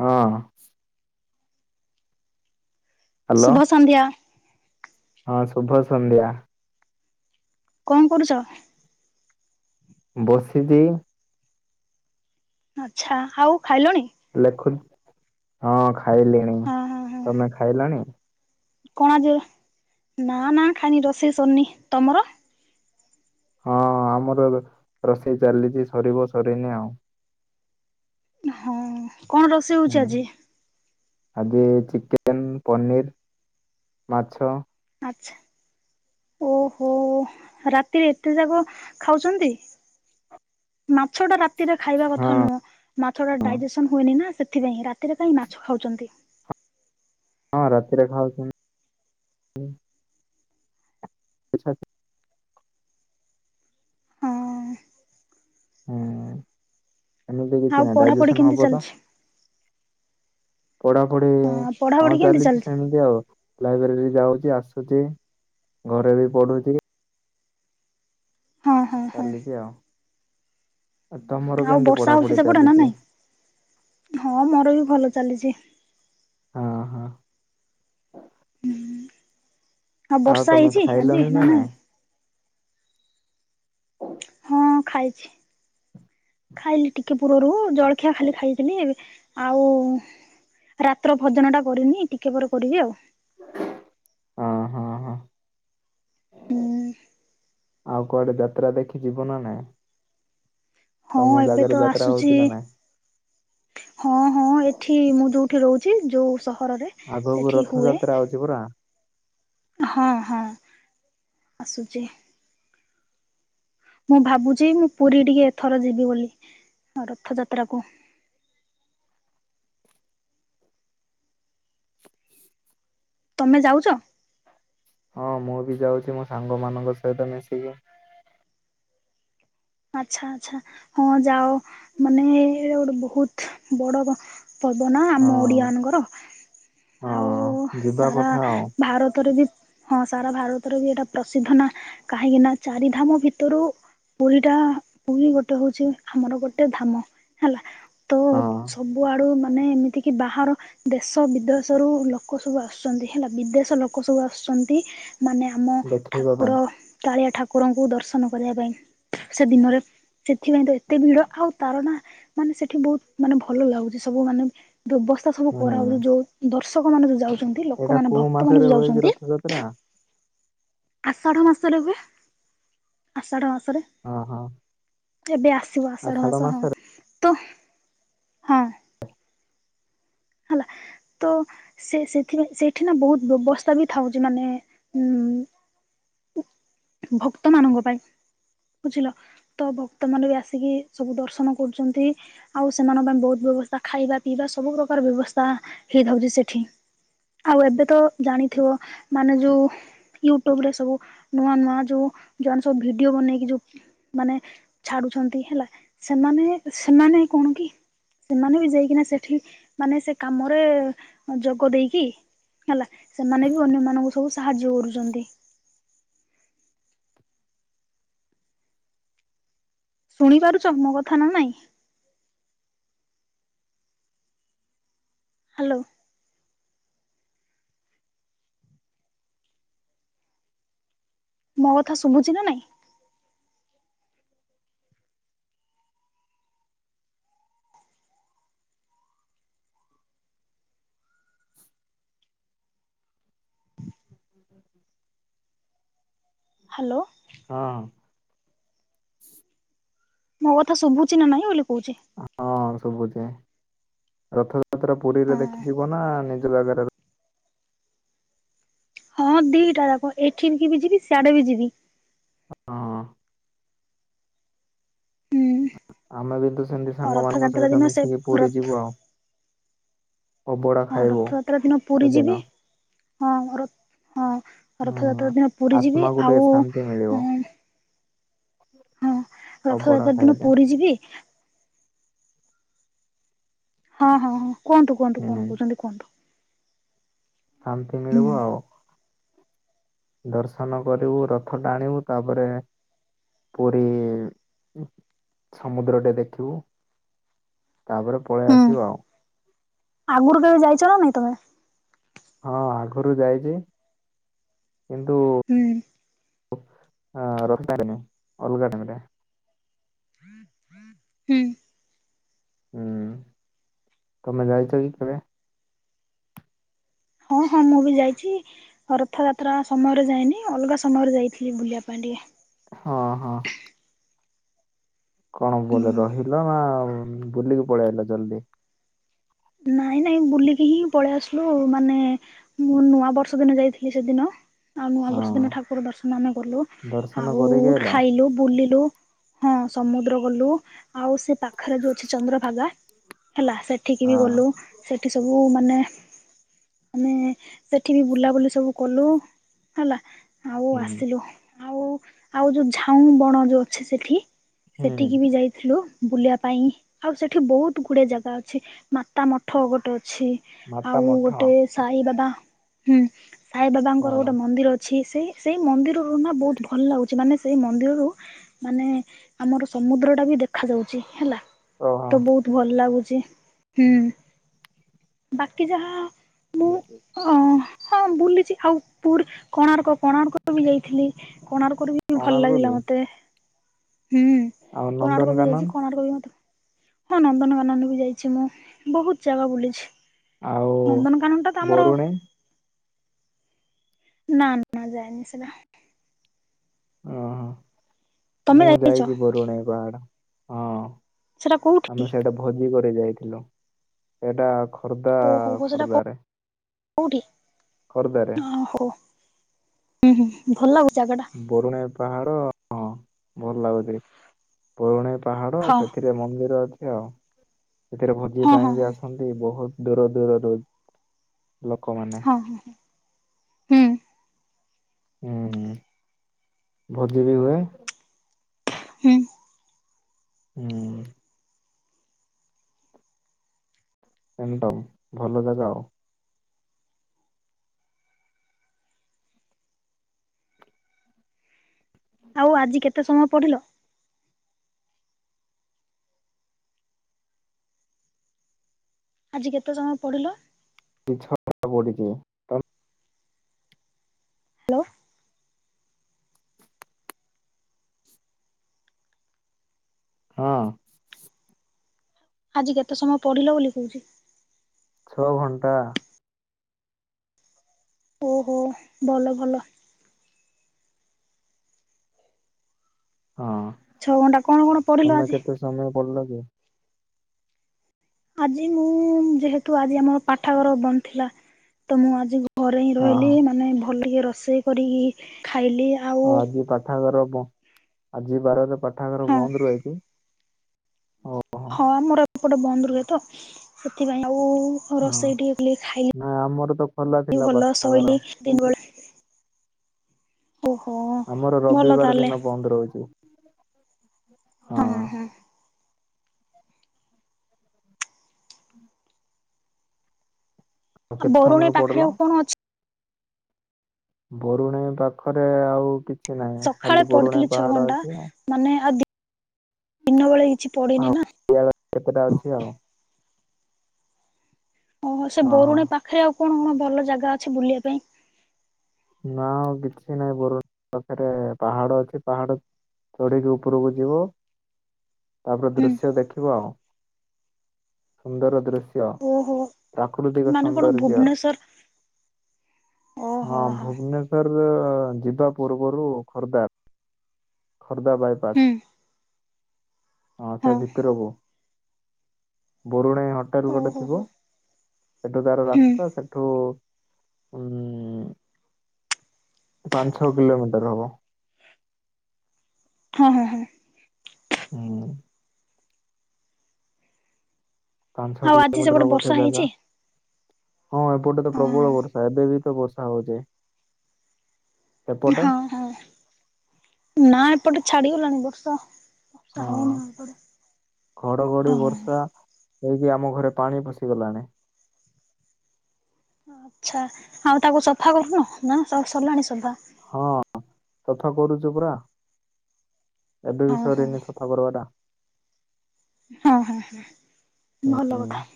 ହଁ ଅ ହ୍ୟାଲୋ ଶୁଭ ସନ୍ଧ୍ୟା। ହଁ ଶୁଭ ସନ୍ଧ୍ୟା। କଣ କରୁଛ? ବସିଦି। ଆଚ୍ଛା ଆଉ ଖାଇଲୁଣି। ଲେଖୁ ହଁ ଖାଇଲିଣି ହଁ ହଁ ହଁ ତମେ ଖାଇଲଣି। କଣ ଆଜି ନା ନା ଖାଇନି ରୋଷେଇ ସରିନି ତମର। ହଁ ଆମର ରୋଷେଇ ଚାଲିଛି ସରିବ ସରିନି ଆଉ। ହଁ କଣ ରୋ ହୁଁ ଆଗେ ଚିକେନ ପନିର୍ ମାଛ ଆଚ୍ଛା। ଓହୋ ରାତିରେ ଏତେ ଯାକ ଖାଉଛନ୍ତି। ମାଛଟା ରା ରାତିରେ ଖାଇବା ହଁ କଥା ନୁହଁ ମାଛଟା ଡାଇଜେସନ ହୁଏନି ନା ସେଥିପାଇଁ ରାତିରେ କାହିଁ ମାଛ ଖାଉଛନ୍ତି। ହଁ ରାତିରେ ଖାଉଛନ୍ତି। ଆଚଛା [unintelligible] ହଁ ହୁଁ ଏମିତି ଆଉ କିଛି ନାଇଁ ପଢାପଢି ଡାଇଜେସନ କେମିତି ହବ ତ। ଚାଲିଛି? ପଢ଼ାପଢି଼ ହଁ ଚାଲିଛି ସେମିତି ଆଉ। ଲାଇବ୍ରେରୀ ଯାଉଛି ଆସୁଛି ଘରେ ବି ପଢୁଛି। ହଁ ହଁ ହଁ ଚାଲିଚି ଆଉ ଆଉ ତମର ଆଉ କେମିତି ବର୍ଷା ହଉଛି ପଢ଼ାପଢି଼ ସେପଟେ ନା ନାଇଁ? ଚାଲିଚି। ହଁ ମୋର ବି ଭଲ ଚାଲିଛି। ହଁ ହଁ। ହଁ ଆଉ ବର୍ଷା ତମେ ହେଇଛି ଆଜି ଖାଇଲଣି ନା ନାଇଁ। [inaudible] ହଁ ଖାଇଛି। ଖାଇଲି ଟିକେ ପୂୁରରୁ ଜଳଖିଆ ଖାଲି ଖାଇଥିଲି ଏବେ ଆଉ। ରାତ୍ର ଭଜନ ଟା କରିନି ଟିକେ ପରେ କରିବି ଆଉ। ହଁ ହଁ ହଁ। ହୁଁ। ଆଉ କୁଆଡେ ଯାତ୍ରା ଦେଖି ଯିବ ନା ନାଇ। ହଁ ଏବେ ତ ଯାତ୍ରା ଆସୁଚି। ହଉଛି ନା ନାଇଁ? ହଁ ହଁ ଏଠି ମୁଁ ଯୋଉଠି ରହୁଚି ଯୋଉ ସହରରେ। ଆଗକୁ ସେଠି ହୁଏ ରଥଯାତ୍ରା ଅଉଚି ପରା। ହଁ ହଁ ଆସୁଚି। ମୁଁ ଭାବୁଚି ମୁଁ ପୁରୀ ଟିକେ ଏଥର ଯିବି ବୋଲି ରଥ ଯାତ୍ରାକୁ। ତମେ ଯାଉଚ? ହଁ ମୁଁ ବି ଯାଉଚି ମୋ ସାଙ୍ଗ ମାନଙ୍କ ସହିତ ମିଶିକି। ଆଚ୍ଛା ଆଚ୍ଛା ହଁ ଯାଅ ମାନେ ଏଟା ଗୋଟେ ବୋହୁତ ବଡ ପବନ ହଁ ଆମ ଓଡିଆ ମଙ୍କର। ଆଉ ହଁ ଯିବା ସାରା କଥା ଆଉ ଭାରତରେ ବି ହଁ ସାରା ଭାରତର ବି ଏଇଟା ପ୍ରସିଦ୍ଧ ନା କାହିଁକି ନା ଚାରିଧାମ ଭିତରୁ ଏଟା ପୁରୀ ଗୋଟେ ହଉଚି ଆମର ଗୋଟେ ଧାମ ହେଲା। ତ ହଁ ସବୁଆଡ଼ୁ ମାନେ ଏମିତିକି ବାହାର ଦେଶ ବିଦେଶରୁୁ ଲୋକ ସବୁ ଆସୁଚନ୍ତି ହେଲା ବିଦେଶ ଲୋକ ସବୁ ଆସୁଚନ୍ତି। ମାନେ ଆମ ଦେଖିବା ପାଇଁ। ଠାକୁର କାଳିଆ ଠାକୁରଙ୍କୁ ଦର୍ଶନ କରିବା ପାଇଁ ସେ ଦିନରେ ସେଥିପାଇଁ ତ ଏତେ ଭିଡ ଆଉ ତାର ନା ମାନେ ସେଠି ବୋହୁତ ମାନେ ଭଲ ଲାଗୁଚି ସବୁ ମାନେ ବ୍ୟବସ୍ଥା ସବୁ ହୁଁ କରାହଉଚି ଯୋଉ ଦର୍ଶକ ମାନେ ଯୋଉ ଯାଉଚନ୍ତି ଏଇଟା ଲୋକମାନେ କୋଉ ଭକ୍ତ ମାନ ମାସରେ ଯୋଉ ହୁଏ ଯାଉଚନ୍ତି। [unintelligible] ଆଷାଢ଼ ମାସରେ ହୁଏ ଆଷାଢ଼ ମାସରେ। ଓଁ ହଁ। ଏବେ ଆସିବ ଆଷାଢ ମାସ ହଁ ତ ହଁ। ହେଲା ତୋ ସେ ସେଥିପାଇଁ ସେଇଠି ନା ବହୁତ ବ୍ୟବସ୍ତା ବି ଥାଉଚି ମାନେ ଉଁ। ଭକ୍ତ ମାନଙ୍କ ପାଇଁ ବୁଝିଲ। ତ ଭକ୍ତ ମାନେ ବି ଆସିକି ସବୁ ଦର୍ଶନ କରୁଚନ୍ତି। ଆଉ ସେମାନଙ୍କ ପାଇଁ ବହୁତ ବ୍ୟବସ୍ଥା ଖାଇବା ପିଇବା ସବୁ ପ୍ରକାର ବ୍ୟବସ୍ଥା ହେଇଥାଉଚି ସେଠି। ଆଉ ଏବେ ତ ଜାଣିଥିବ ମାନେ ଯୋଉ ୟୁଟ୍ୟୁବରେ ସବୁ ନୂଆ ନୂଆ ଯୋଉ ଜୋନ୍ ସବୁ ଭିଡିଓ ବନେଇକି ଯୋଉ ମାନେ ଛାଡୁଛନ୍ତି ହେଲା ସେମାନେ ସେମାନେ କଣ କି। ସେମାନେ ବି ଯାଇକି ନା ସେଠି ମାନେ ସେ କାମରେ ଯୋଗ ଦେଇକି। ହେଲା ସେମାନେ ବି ଅନ୍ୟମାନଙ୍କୁ ସବୁ ସାହାଯ୍ୟ କରୁଚନ୍ତି। ଶୁଣି ପାରୁଚ ମୋ କଥା ନା ନାଇଁ? ହାଲୋ। ମୋ କଥା ଶୁଭୁଚି ନା ନାଇଁ। ହ୍ୟାଲୋ। ହଁ। ମୋ କଥା ଶୁଭୁଚି ନା ନାହିଁ ବୋଲି କୋଉଚି। ହଁ ଶୁବୁଚି ରଥଯାତ୍ରା ପୁରୀରେ ହଁ ଦେଖିଯିବ ନା ନିଜ ଜାଗାରେ ହଁ ଦିଟା ଯାକ ଏଠି କି ବି ଯିବି ସିଆଡେ ବି ଯିବି। ହଁ। ହୁଁ ଆମେ ବି ତ ସେମତି ହଁ ସାଙ୍ଗମାନଙ୍କ ରଥଯାତ୍ରା ସହିତ ଦିନ ସେ ମିଶିକି ପୁରୀ ରଥ ଯିବୁ ଆଉ। ଅବଢା ହଁ ଖାଇବୁ। ରଥଯାତ୍ରା ଦିନ ପୁରୀ ସେଦିନ ଯିବି ହଁ ରଥ୍ ହଁ। ହୁଁ ରଥଯାତ୍ରା ଦିନ ପୁରୀ ଯିବି ଆତ୍ମାକୁ ଟିକେ ଆଉ ଶାନ୍ତି ମିଳିବ ଉଁ ହଁ ଅବଢା ରଥଯାତ୍ରା ଦିନ ଖାଇଲେ ପୁରୀ ଯିବି। ହଁ ହଁ ହଁ କୁହନ୍ତୁ କୁହନ୍ତୁ ହୁଁ କଣ କହୁଚନ୍ତି କୁହନ୍ତୁ। ଶାନ୍ତି ହୁଁ ମିଳିବ ଆଉ। ଦର୍ଶନ କରିବୁ ରଥ ଟାଣିବୁ ତାପରେ ପୁରୀ ଉଁ ସମୁଦ୍ରଟେ ଦେଖିବୁ। ତାପରେ ପଳେଇ ହୁଁ ଆସିବ ଆଉ। ଆଗରୁ କେବେ ଯାଇଛ ନା ନାଇ ତମେ? ହଁ ଆଗରୁ ଯାଇଛି କିନ୍ତୁ ହୁଁ ଓ‌ ଆଁ ରବିବାରେ ନୁହେଁ ଅଲଗା ଟାଇମ୍ ରେ ହୁଁ। ହୁଁ ତମେ ଯାଇଛ କି କେବେ? ହଁ ହଁ ମୁଁ ବି ଯାଇଛି। ରଥଯାତ୍ରା ସମୟରେ ଯାଇନି ଅଲଗା ସମୟରେ ଯାଇଥିଲି ବୁଲିବା ପାଇଁ ଟିକେ। ହଁ ହଁ। କଣ ବୋଲେ ହୁଁ। ରହିଲ ନା ବୁଲିକି ପଳେ ଆଇଲ ଜଲଦି। ନାଇଁ ନାଇଁ ବୁଲିକି ହିଁ ପଳେଇ ଆସିଲୁ ମାନେ ମୁଁ ନୂଆ ବର୍ଷ ଦିନ ଯାଇଥିଲି ସେଦିନ। ଆଉ ନୂଆ ହଁ ବର୍ଷ ଦିନ ଠାକୁର ଦର୍ଶନ ଆମେ କଲୁ ଦର୍ଶନ ଆଉ କରିକି ଆଇଲ ଖାଇଲୁ ବୁଲିଲୁ। ହଁ ସମୁଦ୍ର ଗଲୁ ଆଉ ସେ ପାଖରେ ଯୋଉ ଅଛି ଚନ୍ଦ୍ରଭାଗା ହେଲା ସେ ବି ହଁ ଗଲୁ ସେଠି ସବୁ ମାନେ ଆମେ ସେଠି ବି ବୁଲାବୁଲି ସବୁ କଲୁ ହେଲା। ଆଉ ହୁଁ ଆସିଲୁ ଆଉ ଆଉ ଯୋଉ ଝାଉଁ ବଣ ଯୋଉ ଅଛି ସେଠି ହୁଁ ସେଠିକି ବି ଯାଇଥିଲୁ ବୁଲିବା ପାଇଁ ଆଉ ସେଠି ବହୁତ ଗୁଡେ ଜାଗା ଅଛି। ମାତା ମଠ ଗୋଟେ ଅଛି ମାତା ଆଉ ମଠ ଗୋଟେ ସାଇ ବାବା ହୁଁ। ସାଇବାବାଙ୍କର ହଁ ଗୋଟେ ମନ୍ଦିର ଅଛି ସେ ସେଇ ମନ୍ଦିରରୁ ନା ବହୁତ ଭଲ ଲାଗୁଛି ମାନେ ସେଇ ମନ୍ଦିରରୁ ମାନେ ଆମର ସମୁଦ୍ରଟା ବି ଦେଖା ଯାଉଚି ହେଲା। ଓହୋ ତ ବହୁତ ଭଲ ଲାଗୁଛି ହୁଁ ବାକି ଯାହା [unintelligible] ଓ ହଁ ବୁଲିଛି ଆଉ ପୁରୀ କୋଣାର୍କ କୋଣାର୍କ ବି ଯାଇଥିଲି କୋଣାର୍କରୁ ବି ଭଲ କୋଣାର୍କ ବି ଲାଗିଲା ମତେ। ହୁଁ ଆଉ କୋଣାର୍କ ବି ଯାଇଛି ନନ୍ଦନକାନନ କୋଣାର୍କ ବି ମତେ ହଁ ନନ୍ଦନକାନନ ବି ଯାଇଛି ମୁଁ। ବହୁତ ଜାଗା ବୁଲିଛି ଆଉ ନନ୍ଦନକାନନ ଟା ତ ଆମର ବରୁଣେଇ ନା ନା ଯାଏନି ସେଇଟା। ଓହୋ ତମେ ମୁଁ ଯାଇଛ ଯାଇଚି ବରୁଣେଇ ପାହାଡ଼। ହଁ ସେଟା କୋଉଠି? ଆମେ ସେଇଟା ଭୋଜି କରି ଯାଇଥିଲୁ ସେଇଟା ଖୋର୍ଦ୍ଧା ଓହୋ ହୋ ସେଟା ଖୋର୍ଦ୍ଧରେ। କୋଉଠି ଅ ହୋ ହୁଁ ହୁଁ ଭଲ ଲାଗୁଛି ଜାଗାଟା ବରୁଣେଇ ପାହାଡ଼ ହଁ ଭଲ ଲାଗୁଛି ବରୁଣେଇ ପାହାଡ଼ ହଁ। ସେଥିରେ ସେ ଜମନ୍ଦିର ଅଛି ଆଉ ସେଥିରେ ଭୋଜି ହଁ ହଁ ପାଇଁ ବି ହଁ ଆସନ୍ତି ବହୁତ୍ ଦୂର ଦୂରରୁ ବି। ଲୋକମାନେ। ହଁ ହଁ ହୁଁ ହୁଁ ହୁଁ ଭୋଜି ବି ହୁଏ। ହୁଁ। ହୁଁ। ଏକଦମ୍ ଭଲ ଜାଗା ଆଉ। ଆଉ ଆଜି କେତେ ସମୟ ପଢିଲ? ଆଜି କେତେ ସମୟ ପଢିଲ? [unintelligible] ଟା ପଢିଛି। ହାଲୋ। ହଁ। ଆଜି କେତେ ସମୟ ପଢ଼ିଲ ବୋଲି କୋହୁଛି। ଛଅ ଘଣ୍ଟା। ଓହୋ ଭଲ ଭଲ। ହଁ। ଛଅ ଘଣ୍ଟା କଣ କଣ ପଢିଲ ଆଜି? କାମ ପ [unintelligible] ଆଜି ମୁଁ ଯେହେତୁ ଆଜି ଆମଅ ପାଠାଘର ବନ୍ଦ ଥିଲା ତ ମୁଁ ଆଜି ଘରେ ହିଁ ହଁ ରହିଲି ହଁ ମାନେ ଭଲ ଟିକେ ରୋଷେଇ କରିକି ଖାଇଲି ଆ ହଁ ଆଜି ପାଠଗାର ବ ଆଜି ବାରରେ ପାଠାଗାର ହଁ ବନ୍ଦ ରୁଏ କି? ଓହୋ ହଁ ଆମର ପଟେ ବନ୍ଦ ରୁହେ ତ। ସେଥିପାଇଁ ଆଉ ହଁ ରୋଷେଇ ଟିଏ କିଲେ ନା ଆମର ତ ଖୋଲା ଖାଇ ଥିଲା ଭଲ ପାଠାଗାର। ଶୋଇଲି। ଦିଗୋଲ୍ ଓହୋ ଭଲ ତାଆଲେ। ପନ୍ଦର ଅଚି। ହଁ ହଁ। ଆ କେତେ ସମୟ ବରୁଣେଇ ପଢିଲ? ପାଖରେ ଆଉ କଣ ଅ ବରୁଣେଇ ପାଖରେ ଆ ଆଉ କିଛି ନାଇଁ ସକାଳେ ଖାଲି ପଢିଥିଲି ବରୁଣେଇ ଛଅ ପାହାଡ ଘଣ୍ଟା ଅଛି ଆ ମାନେ ଆଦ୍ ଇନ ବେଳା କିଛି ପଡିନି ନା [unintelligible] ତେଟା ଅଛି ଆଉ। ଓହୋ ସେ ହଁ ହଁ ବରୁଣେଇ ପାଖେରେ ଆଉ କଣ କଣ ଭଲ ଜାଗା ଅଛି ବୁଲିଆ ପାଇଁ? ନା ଆଉ କିଛି ନାଇଁ ବର ପାଖରେ ପାହାଡ ଅଛି ପାହାଡ ଚଢ଼ିକି ଉପରକୁ ଯିବ ତାପରେ ହୁଁ ଦୃଶ୍ୟ ଦେଖିବ ଆଉ। ସୁନ୍ଦର ଦୃଶ୍ [unintelligible] ଓହୋ ପ୍ରାକୃତିକ ମାନେ କଣ ସୌନ୍ଦର୍ଯ୍ୟ ଭୁବନେଶ୍ଵର ଓହୋ ହଁ। ହୋ ଭୁବନେଶ୍ୱର ରୁ ଯିବା ପୂର୍ବରୁ ଖୋର୍ଦ୍ଧା। ଖୋର୍ଦ୍ଧା ବାଇପାସ୍ ହୁଁ ହଁ ସେ ଭିତୁରୁକୁୁ। ବରୁଣେଇ ହଟାରୁ ଗୋଟେ ଓହୋ ହୋ ଥିବ ସେଠୁ ତାର ହୁଁ ରାସ୍ତା ସେଠୁ ଉୁଁ ପାଁ, ଛଅ କିଲୋମିଟର ହବ। ହଁ ହଁ ହଁ। ଉୁଁ। ପାଁ, ଛଅ ଆଉ ଆଜି ସେପଟେ କିଲୋମିଟର ହବ ବର୍ଷା ସେ ହେଇଛି? ଜାଗା। ହଁ ଏପଟେ ତ ପ୍ରବଳ ହଁ ବର୍ଷା ଏବେ ବି ତ ବର୍ଷା ହଉଚ଼ି। ହଁ ହଁ ନା ଏପଟେ ଛାଡିଗଲାଣି ବର୍ଷା। ବର୍ଷା ହଁ ହଉନି ଆଉ ଏପଟେ ଘଡଘଡି, ହଁ ବର୍ଷା ହେଇକି ଆମ ଘରେ ପାଣି ପଶିଗଲାଣି। ଆଚ୍ଛା ହାଉଁ ତାକୁ ସଫା କରୁନ ନା ସ ସରିଲାଣି ସଫା? ହଁ ସଫା କରୁଚୁ ପୁରା ଏବେ ବି ହଁ ହଁ ସରିନି ସଫା କରିଆଟା ହଁ ହଁ ଭଲ ହୁଁ କଥା।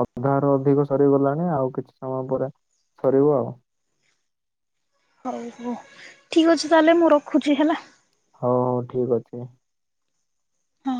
ଅଧା ରୁ ଅଧିକ ସରିଗଲାଣି ଆଉ କିଛି ସମୟ ପରେ ସରିବ ଆଉ। ହଉ ହଉ ଠିକ୍ ଅଛି ତାହେଲେ ମୁଁ ରଖୁଚି ହେଲା। ହଉ ହଉ ଠିକ୍ ଅଛି। ହଁ।